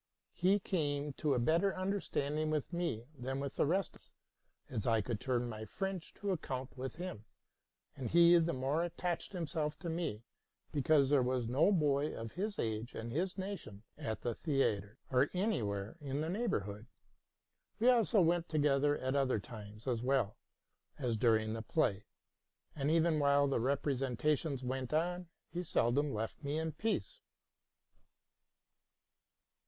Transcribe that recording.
He came to a better under standing with me than with the rest, as I could turn my French to account with him; and he the more attached him self to me because there was no boy of his age or his nation at the theatre, or anywhere in the neighborhood. We also went together at other times, as well as during the play; and, even while the representations went on, he seldom left me in peace.